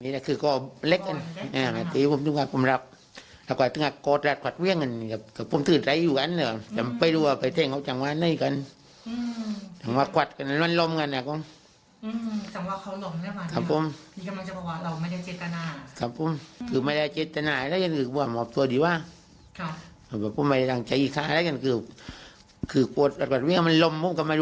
โดยเจตนาเสริม